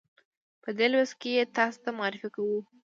په دې لوست کې یې تاسې ته معرفي کوو.